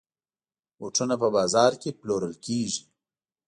بوټونه په بازاز کې پلورل کېږي.